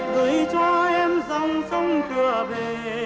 gửi cho em dòng sông thừa về